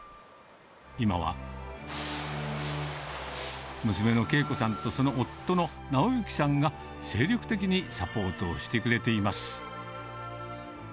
今は娘の恵子さんとその夫の直幸さんが、精力的にサポートをしてくれています。